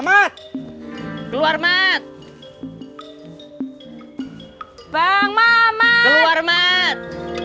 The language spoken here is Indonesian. mamat keluar mat bang mamat keluar mat